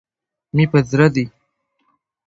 مي په زړه دي